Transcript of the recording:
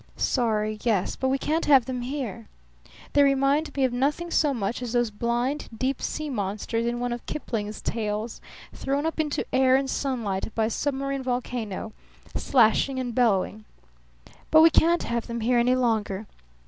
Sorry, yes; but we can't have them here. They remind me of nothing so much as those blind deep sea monsters in one of Kipling's tales, thrown up into air and sunlight by a submarine volcano, slashing and bellowing. But we can't have them here any longer.